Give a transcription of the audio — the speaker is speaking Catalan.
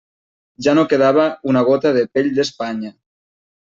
Ja no quedava una gota de «pell d'Espanya»!